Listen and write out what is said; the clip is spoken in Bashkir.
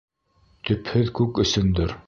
Төпһөҙ күк өсөндөр.